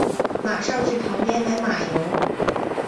马上去旁边买马油